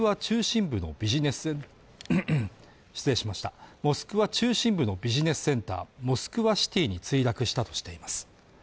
このうち１機はモスクワ中心部のビジネスセンターモスクワシティに墜落したとしています